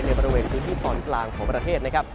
บริเวณพื้นที่ตอนกลางของประเทศนะครับ